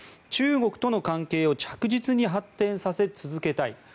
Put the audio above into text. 中国との関係を着実に発展させ続けたい。